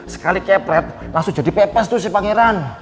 sekali kepret langsung jadi pepes tuh si pangeran